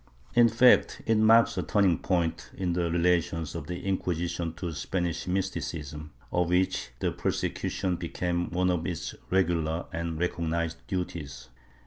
^ In fact, it marks a turning point in the relations of the Inquisi tion to Spanish mysticism, of which the persecution became one of its regular and recognized duties.